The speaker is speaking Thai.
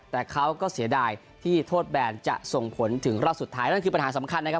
แต่เขาก็เสียดายที่โทษแบนจะส่งผลถึงรอบสุดท้ายนั่นคือปัญหาสำคัญนะครับ